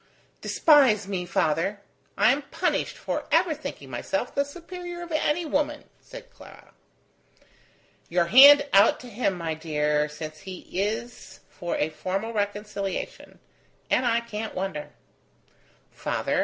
"Despise me, father. I am punished for ever thinking myself the superior of any woman," said Clara. "Your hand out to him, my dear, since he is for a formal reconciliation; and I can't wonder." "Father!